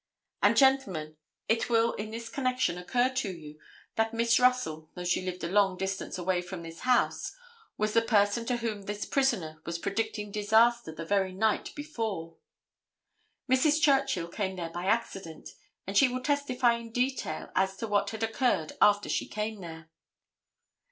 And gentlemen, it will in this connection occur to you that Miss Russell, though she lived a long distance away from this house, was the person to whom this prisoner was predicting disaster the very night before. Mrs. Churchill came there by accident, and she will testify in detail as to what had occurred after she came there.